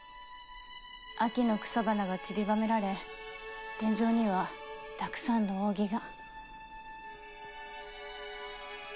秋の草花がちりばめられ天井にはたくさんの扇が。